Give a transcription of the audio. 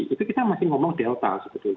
itu kita masih ngomong delta sebetulnya